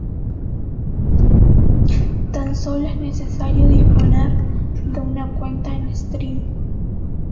Tan sólo es necesario disponer de una cuenta en Steam.